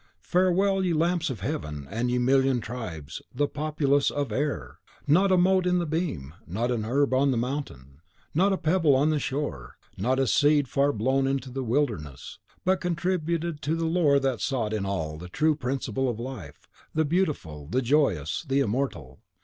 Farewell, ye lamps of heaven, and ye million tribes, the Populace of Air. Not a mote in the beam, not an herb on the mountain, not a pebble on the shore, not a seed far blown into the wilderness, but contributed to the lore that sought in all the true principle of life, the Beautiful, the Joyous, the Immortal.